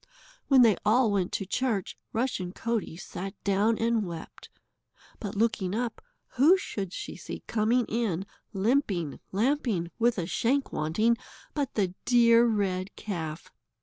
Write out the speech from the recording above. When they all went to church, Rushen Coatie sat down and wept, but looking up, who should she see coming in limping, lamping, with a shank wanting, but the dear red calf?